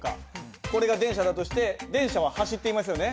これが電車だとして電車は走っていますよね？